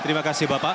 terima kasih bapak